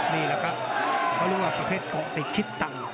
นี่แหละครับเขาเรียกว่าประเภทเกาะติดคิดตังค์